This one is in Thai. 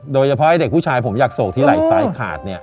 โดยเฉพาะเด็กผู้ชายผมอยากโศกที่ไหล่ซ้ายขาดเนี่ย